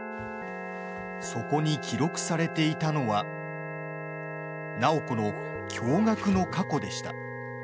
そこに記録されていたのは楠宝子の驚がくの過去でした。